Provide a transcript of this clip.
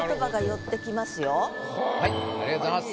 ありがとうございます。